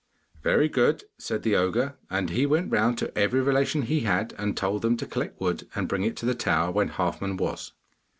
'Very good,' said the ogre, and he went round to every relation he had, and told them to collect wood and bring it to the tower where Halfman was.